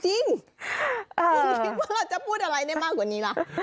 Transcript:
คุณคิดว่าเราจะพูดอะไรได้มากกว่านี้ล่ะ